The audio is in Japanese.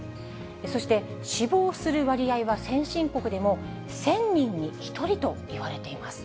そして死亡する割合は、先進国でも１０００人に１人といわれています。